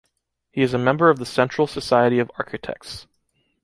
He is a member of the Central Society of Architects.